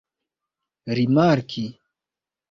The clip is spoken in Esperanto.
rimarki